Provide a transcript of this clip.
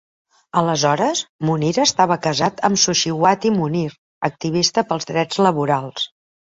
Aleshores, Munir estava casat amb Suciwati Munir, activista pels drets laborals.